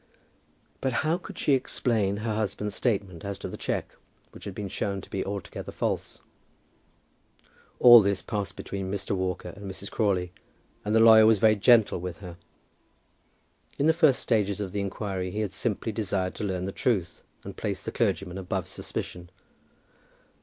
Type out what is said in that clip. But how could she explain her husband's statement as to the cheque, which had been shown to be altogether false? All this passed between Mr. Walker and Mrs. Crawley, and the lawyer was very gentle with her. In the first stages of the inquiry he had simply desired to learn the truth, and place the clergyman above suspicion.